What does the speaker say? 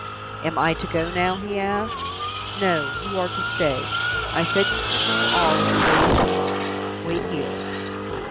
"Am I to go now?" he asked. "No. You are to stay. I said you should know all if you waited till the morning. Wait here."